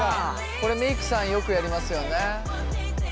これメイクさんよくやりますよね。